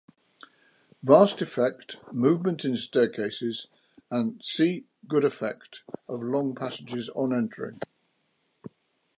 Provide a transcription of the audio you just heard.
Vast effect, movement in staircases and c. good effect of long passages on entering.